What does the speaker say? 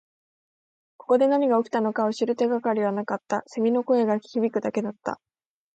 ここで何が起きたのかを知る手がかりはなかった。蝉の声が響くだけだった。